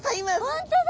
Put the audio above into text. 本当だ！